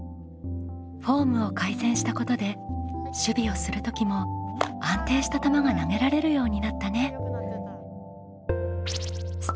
フォームを改善したことで守備をする時も安定した球が投げられるようになったね。